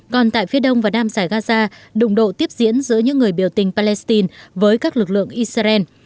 còn tại phía đông và nam giải gaza đụng độ tiếp diễn giữa những người biểu tình palestine với các lực lượng israel